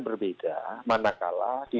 berbeda manakala di